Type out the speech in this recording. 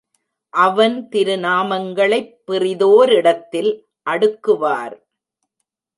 அவன் திருநாமங்களைப் பிறிதோரிடத்தில் அடுக்குவார்.